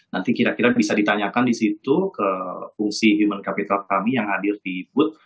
nanti kira kira bisa ditanyakan di situ ke fungsi human capital kami yang hadir di booth